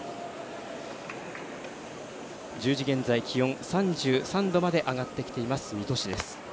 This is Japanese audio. １０時現在、気温３３度まで上がってきています、水戸市です。